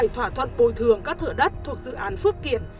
một trăm bốn mươi bảy thỏa thuận bồi thường các thửa đất thuộc dự án phước kiện